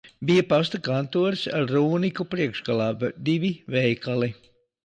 Bija pasta kantoris ar Rūniku priekšgalā, divi veikali.